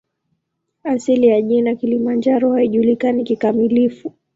Asili ya jina "Kilimanjaro" haijulikani kikamilifu.